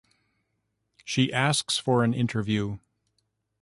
She asks for an interview.